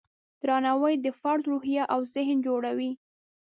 درناوی د فرد روحیه او ذهن جوړوي.